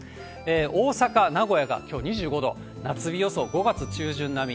大阪、名古屋がきょう２５度、夏日予想、５月中旬並み。